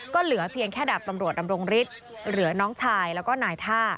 ก็เหลือเพียงแค่ดาบตำรวจดำรงฤทธิ์เหลือน้องชายแล้วก็นายท่า